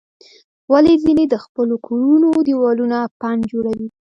ولې ځینې د خپلو کورونو دیوالونه پنډ جوړوي؟